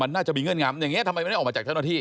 มันน่าจะมีเงื่อนงำอย่างนี้ทำไมไม่ได้ออกมาจากเจ้าหน้าที่